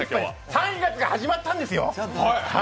３月が始まったんですよ！